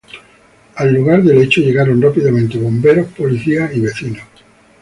Al lugar del hecho llegaron rápidamente bomberos, policías y vecinos.